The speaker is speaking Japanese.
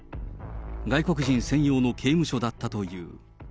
外国人専用の刑務所だったという。